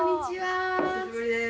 お久しぶりです。